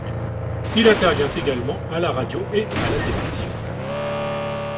Il intervient également à la radio et à la télévision.